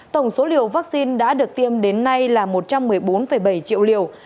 tổng số liều vaccine đã được tiêm đến nay là một trăm một mươi bốn bảy triệu liều